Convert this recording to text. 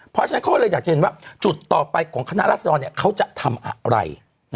เพราะฉะนั้นเขาเลยอยากจะเห็นว่าจุดต่อไปของคณะรัศดรเขาจะทำอะไร